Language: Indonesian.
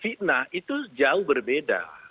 fitnah itu jauh berbeda